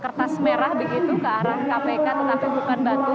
kertas merah begitu ke arah kpk tetapi bukan batu